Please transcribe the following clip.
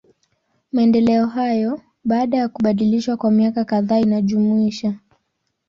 Maendeleo hayo, baada ya kubadilishwa kwa miaka kadhaa inajumuisha.